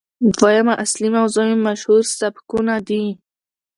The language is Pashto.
دويمه اصلي موضوع مې مشهورسبکونه دي